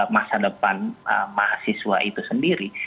masa depan mahasiswa itu sendiri